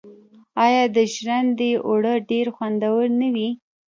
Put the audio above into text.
آیا د ژرندې اوړه ډیر خوندور نه وي؟